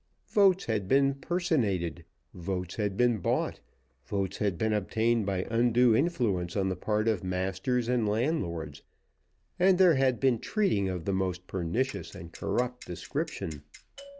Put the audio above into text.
Votes had been personated. Votes had been bought. Votes had been obtained by undue influence on the part of masters and landlords, and there had been treating of the most pernicious and corrupt description.